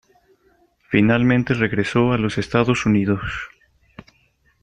Finalmente regresó a los Estados Unidos.